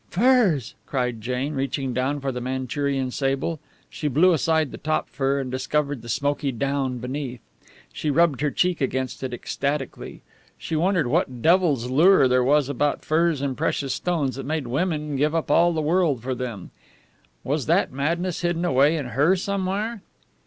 "Furs!" cried Jane, reaching down for the Manchurian sable. She blew aside the top fur and discovered the smoky down beneath. She rubbed her cheek against it ecstatically. She wondered what devil's lure there was about furs and precious stones that made women give up all the world for them. Was that madness hidden away in her somewhere?